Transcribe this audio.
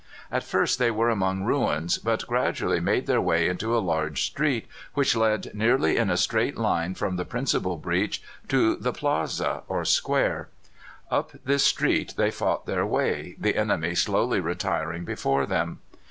At first they were among ruins, but gradually made their way into a large street which led nearly in a straight line from the principal breach to the plaza, or square. Up this street they fought their way, the enemy slowly retiring before them.